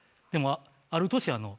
でもある年